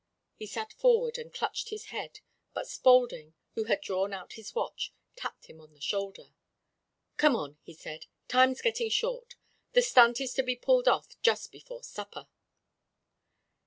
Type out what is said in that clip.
He sat forward and clutched his head, but Spaulding, who had drawn out his watch, tapped him on the shoulder. "Come on," he said. "Time's gettin' short. The stunt is to be pulled off just before supper."